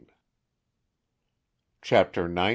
CHAPTER XIX.